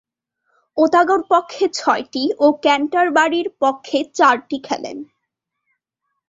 ওতাগোর পক্ষে ছয়টি ও ক্যান্টারবারির পক্ষে চারটি খেলেন।